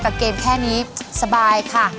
เกมแค่นี้สบายค่ะ